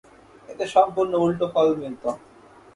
এতে সম্পূর্ণ উল্টো ফল মিলতো।